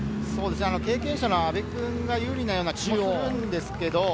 経験者の阿部君が有利なような気がするんですけれど。